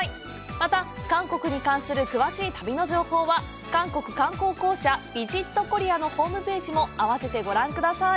また韓国に関する詳しい旅の情報は韓国観光公社ＶＩＳＩＴＫＯＲＥＡのホームページもあわせてご覧ください。